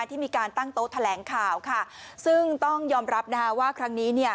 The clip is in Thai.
ที่มีการตั้งโต๊ะแถลงข่าวค่ะซึ่งต้องยอมรับนะคะว่าครั้งนี้เนี่ย